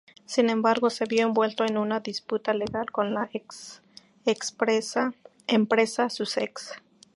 Sin embargo, se vio envuelto en una disputa legal con la empresa Sussex.